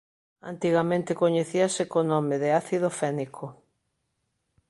Antigamente coñecíase co nome de ácido fénico.